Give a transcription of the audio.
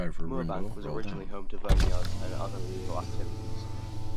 Moorebank was originally home to vineyards and other rural activities.